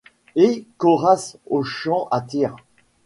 Et qu’Horace aux champs attire